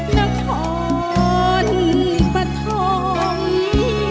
แล้วท้อนปะท้องนี่